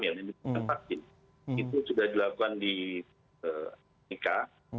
itu sudah dilakukan di amerika